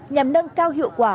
nhằm nâng cao hiệu quả